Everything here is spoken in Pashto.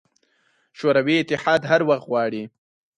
شوروي اتحاد هر وخت غواړي.